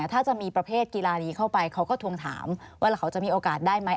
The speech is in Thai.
ถ้าจะมีประเภทกีฬานี้เข้าไปเขาก็ทวงถามว่าเขาจะมีโอกาสได้ไหม